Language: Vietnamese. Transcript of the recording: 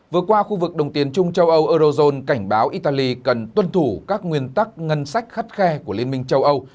vừa qua khu vực đồng tiền trung châu âu eurozone cảnh báo italy cần tuân thủ các nguyên tắc ngân sách khắt khe của liên minh châu âu